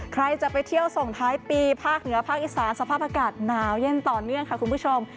ใครจะไปเที่ยวส่งท้ายปีภาคเหนือภาคอีสานสภาพอากาศหนาวเย็นต่อเนื่องค่ะคุณผู้ชม